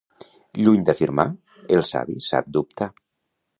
Lluny d'afirmar, el savi sap dubtar.